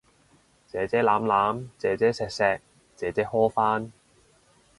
姐姐攬攬，姐姐錫錫，姐姐呵返